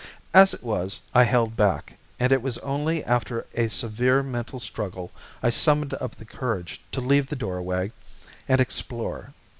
As it was, I held back, and it was only after a severe mental struggle I summoned up the courage to leave the doorway and explore.